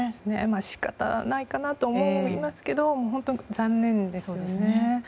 仕方ないかなと思いますけど本当、残念ですね。